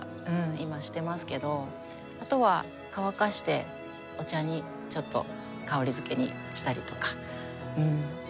あとは乾かしてお茶にちょっと香りづけにしたりとか。